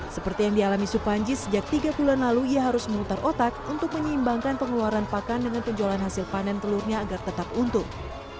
seperti yang dialami supanji sejak tiga bulan lalu ia harus memutar otak untuk menyeimbangkan pengeluaran pakan dengan penjualan hasil panen telurnya agar tetap untung